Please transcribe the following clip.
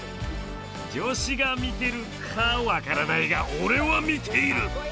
女子が見てるか分からないが俺は見ている！